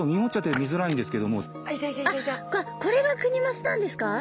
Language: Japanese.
あっこれがクニマスなんですか？